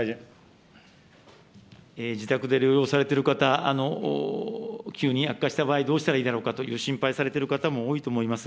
自宅で療養されている方、急に悪化した場合、どうしたらいいだろうかと心配されている方も多いと思います。